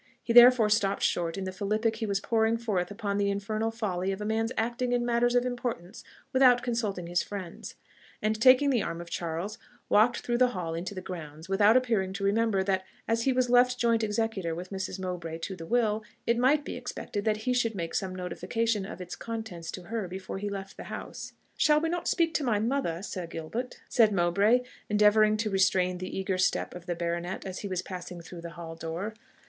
He therefore stopped short in the philippic he was pouring forth upon the infernal folly of a man's acting in matters of importance without consulting his friends, and taking the arm of Charles, walked through the hall into the grounds without appearing to remember that as he was left joint executor with Mrs. Mowbray to the will, it might be expected that he should make some notification of its contents to her before he left the house. "Shall we not speak to my mother, Sir Gilbert?" said Mowbray, endeavouring to restrain the eager step of the Baronet as he was passing through the hall door.